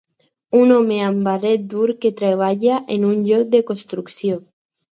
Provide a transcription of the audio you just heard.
Un home amb barret dur que treballa en un lloc de construcció.